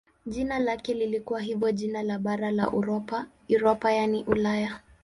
Jina lake lilikuwa hivyo jina la bara la Europa yaani Ulaya.